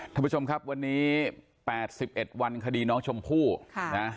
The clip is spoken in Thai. ท่านผู้ชมครับวันนี้แปดสิบเอ็ดวันคดีน้องชมผู้ค่ะนะ